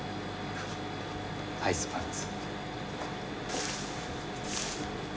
アイスパンツ。